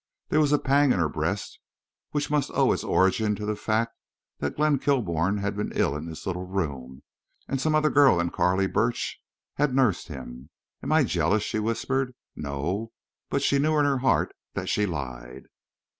There was a pang in her breast which must owe its origin to the fact that Glenn Kilbourne had been ill in this little room and some other girl than Carley Burch had nursed him. "Am I jealous?" she whispered. "No!" But she knew in her heart that she lied.